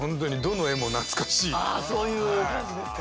あそういう感じですか。